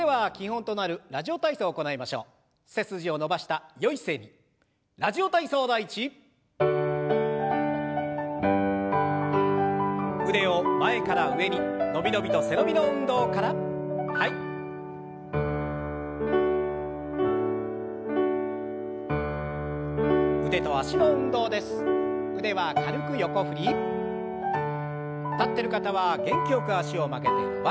立ってる方は元気よく脚を曲げて伸ばします。